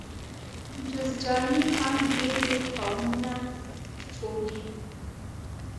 جوزجاني هم بېل بېل قومونه بولي.